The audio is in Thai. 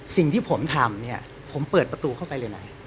สิ่งที่ผมทำเนี่ยผมเปิดประตูเข้าไปเลยนะ